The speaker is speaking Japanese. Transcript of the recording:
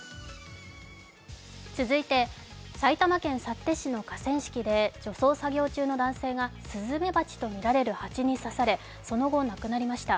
続いて埼玉県幸手市の河川敷で除草作業中の男性がスズメバチとみらる蜂に刺され、その後、亡くなりました。